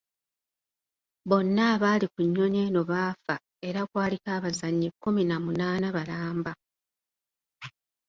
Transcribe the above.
Bonna abaali ku nnyonyi eno baafa era kwaliko abazannyi kkumi na munaana balamba.